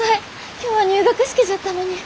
今日は入学式じゃったのに。